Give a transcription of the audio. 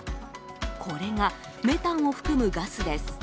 これがメタンを含むガスです。